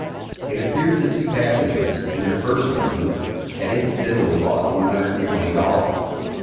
It appears the two passengers, in their first lesson, had incidentally lost one hundred and twenty dollars.